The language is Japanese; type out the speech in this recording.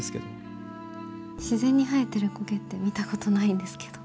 自然に生えてる苔って見たことないんですけど。